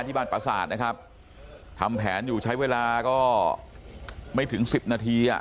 ประสาทนะครับทำแผนอยู่ใช้เวลาก็ไม่ถึงสิบนาทีอ่ะ